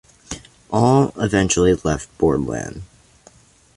All eventually left Borland.